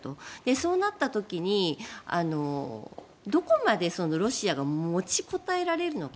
そうなった時に、どこまでロシアが持ちこたえられるのか。